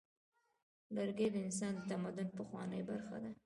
لرګی د انسان د تمدن پخوانۍ برخه ده.